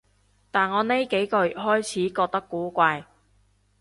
但我呢幾個月開始覺得古怪